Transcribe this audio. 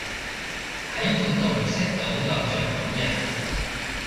喺活動識到偶像本人